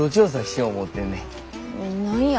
何や？